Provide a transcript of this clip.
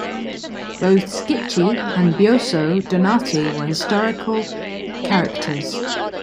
Both Schicchi and Buoso Donati were historical characters.